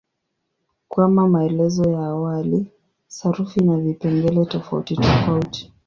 Kama maelezo ya awali, sarufi ina vipengele tofautitofauti.